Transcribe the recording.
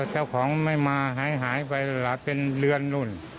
เจ้าของไม่มาหายไปเป็นเรือนนู่น